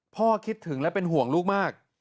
คิดถึงและเป็นห่วงลูกมาก